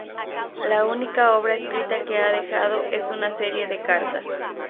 La única obra escrita que ha dejado es una serie de cartas.